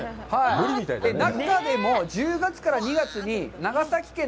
中でも１０月から２月にサバ！